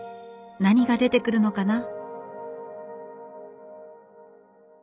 何が出てくるのかな？